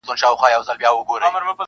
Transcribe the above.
قلندر ويله هلته بيزووانه-